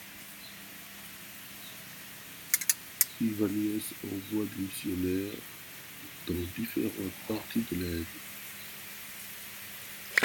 Ivanios envoie des missionnaires dans différentes parties de l'Inde.